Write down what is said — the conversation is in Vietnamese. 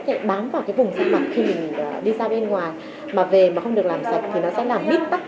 thể bám vào cái vùng sạch mặt khi đi ra bên ngoài mà về mà không được làm sạch thì nó sẽ làm mít tắc